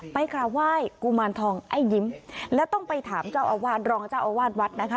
กราบไหว้กุมารทองไอ้ยิ้มและต้องไปถามเจ้าอาวาสรองเจ้าอาวาสวัดนะคะ